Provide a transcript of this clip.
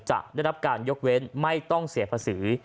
จะได้รับการยกเว้นไม่ต้องเสียภาษี